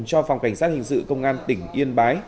cho phòng cảnh sát hình sự công an tỉnh yên bái